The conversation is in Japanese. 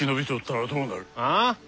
ああ？